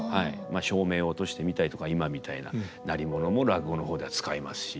まあ照明を落としてみたりとか今みたいな鳴り物も落語の方では使いますし。